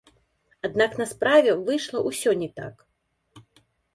Аднак на справе выйшла ўсё не так.